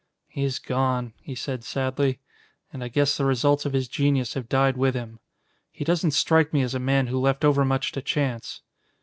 "He is gone," he said sadly, "and I guess the results of his genius have died with him. He doesn't strike me as a man who left overmuch to chance.